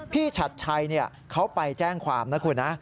ชัดชัยเขาไปแจ้งความนะคุณนะ